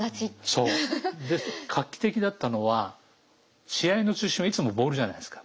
で画期的だったのは試合の中心はいつもボールじゃないですか。